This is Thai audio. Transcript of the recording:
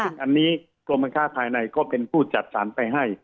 ซึ่งอันนี้กรมการค้าภายในก็เป็นผู้จัดสรรไปให้